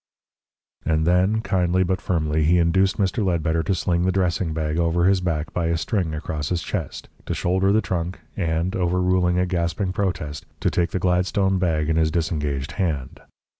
And then kindly, but firmly, he induced Mr. Ledbetter to sling the dressing bag over his back by a string across his chest, to shoulder the trunk, and, overruling a gasping protest, to take the Gladstone bag in his disengaged hand.